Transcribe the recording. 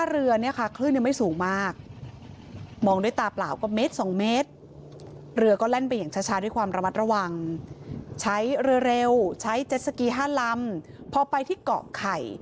เร็วใช้เจ็ดสกี๕ลำพอไปที่เกาะไข่